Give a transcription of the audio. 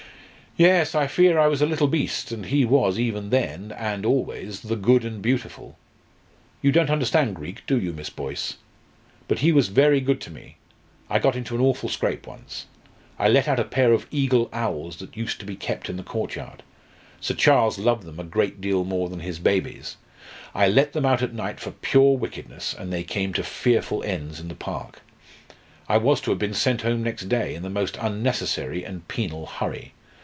"Yes, I fear I was a little beast. And he was, even then, and always, 'the good and beautiful.' You don't understand Greek, do you, Miss Boyce? But he was very good to me. I got into an awful scrape once. I let out a pair of eagle owls that used to be kept in the courtyard Sir Charles loved them a great deal more than his babies I let them out at night for pure wickedness, and they came to fearful ends in the park. I was to have been sent home next day, in the most unnecessary and penal hurry.